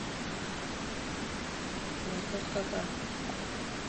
Vai kaut kā tā.